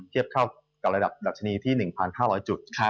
เทียบเท่ากับระดับดัชนีที่๑๕๐๐จุด